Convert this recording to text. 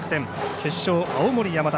決勝、青森山田